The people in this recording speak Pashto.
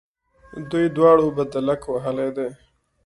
دوی دواړو بدلک وهلی دی.